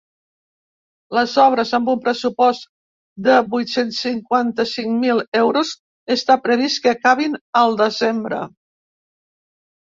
Les obres, amb un pressupost de vuit-cents cinquanta-cinc mil euros, està previst que acabin al desembre.